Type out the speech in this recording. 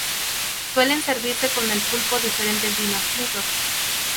Suelen servirse con el pulpo diferentes vinos tintos.